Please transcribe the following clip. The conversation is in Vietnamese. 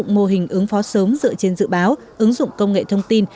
đồng thời nghiên cứu áp dụng mô hình ứng phó sớm dựa trên dự báo ứng dụng công nghệ thông tin